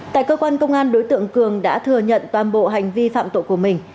tại cơ quan công an đối tượng cường đã thừa nhận toàn bộ hành vi phạm tội của mình